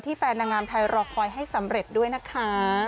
แฟนนางงามไทยรอคอยให้สำเร็จด้วยนะคะ